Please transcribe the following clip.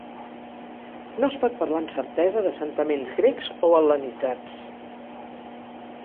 No es pot parlar amb certesa d'assentaments grecs o hel·lenitzats.